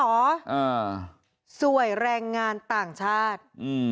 อ่าสวยแรงงานต่างชาติอืม